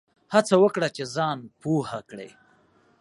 هڅه وکړه چي ځان پوه کړې !